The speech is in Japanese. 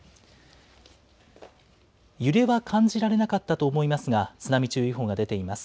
揺れは感じられなかったと思いますが、津波注意報が出ています。